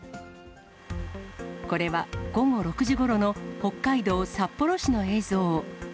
これは午後６時ごろの北海道札幌市の映像。